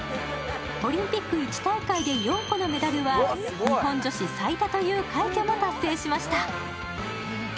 オリンピック１大会で４個のメダルは日本女子最多という快挙も達成しました。